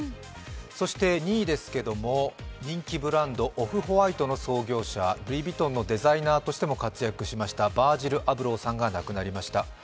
そして２位ですけど、人気ブランド・オフ−ホワイトの創業者、ルイ・ヴィトンのデザイナーとしても活躍したヴァージル・アブローさんが亡くなりました。